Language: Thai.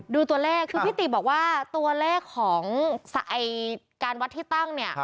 ดูตัวเลขคือพี่ติบอกว่าตัวเลขของการวัดที่ตั้งเนี่ย